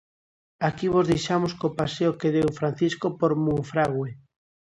Aquí vos deixamos co paseo que deu Francisco por Monfragüe.